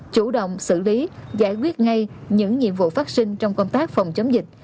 chủ động xử lý giải quyết ngay những nhiệm vụ phát sinh trong công tác phòng chống dịch